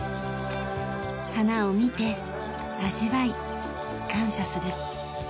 花を見て味わい感謝する。